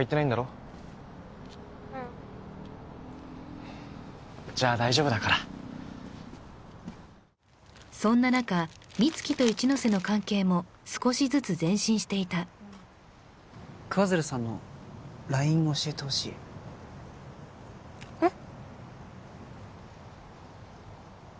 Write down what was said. うんじゃあ大丈夫だからそんな中美月と一ノ瀬の関係も少しずつ前進していた桑鶴さんのＬＩＮＥ教えてほしいえっ？